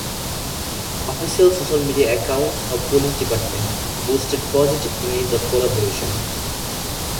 Official social media accounts of police departments boosted positive images of collaboration.